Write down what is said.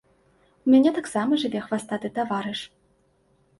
У мяне таксама жыве хвастаты таварыш.